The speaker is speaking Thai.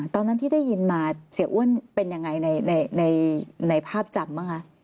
ตอนนั้นที่ได้ยินมาเสียอ้วนเป็นยังไงในภาพจำบ้างคะ